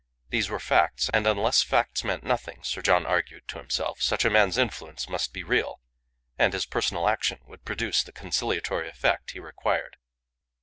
These were facts, and, unless facts meant nothing, Sir John argued to himself, such a man's influence must be real, and his personal action would produce the conciliatory effect he required.